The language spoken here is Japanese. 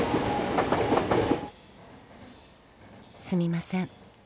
「すみません」